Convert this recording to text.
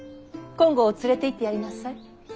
金剛を連れていってやりなさい。